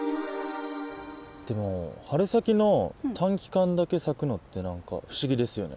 でも春先の短期間だけ咲くのって何か不思議ですよね。